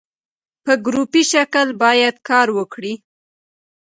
په ګروپي شکل باید کار وکړي.